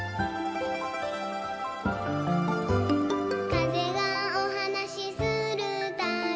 「かぜがおはなしするたび」